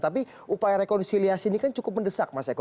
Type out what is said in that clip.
tapi upaya rekonsiliasi ini kan cukup mendesak mas eko